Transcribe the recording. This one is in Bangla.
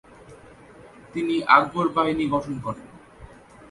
তিনি আকবর বাহিনী গঠন করেন।